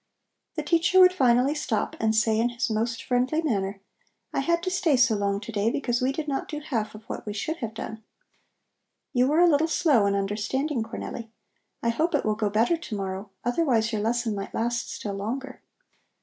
The teacher would finally stop and say in his most friendly manner: "I had to stay so long to day because we did not do half of what we should have done. You were a little slow in understanding, Cornelli. I hope it will go better to morrow, otherwise your lesson might last still longer."